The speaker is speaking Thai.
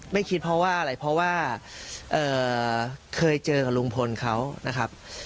ไม่คิดเพราะว่าอะไรเพราะว่าเคยเจอกับลุงพลเขานะครับ